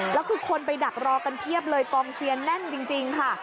แล้วคือคนไปดักรอกันเพียบเลยกองเชียร์แน่นจริงค่ะ